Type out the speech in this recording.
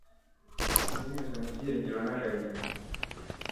Binyuze mu byiringiro n'agahinda